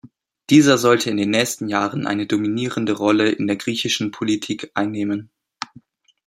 Dieser sollte in den nächsten Jahren eine dominierende Rolle in der griechischen Politik einnehmen.